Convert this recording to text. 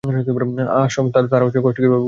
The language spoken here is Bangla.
তারা কষ্ট বুঝবে কীভাবে ভাই?